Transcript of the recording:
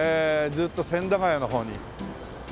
ずっと千駄ヶ谷の方に。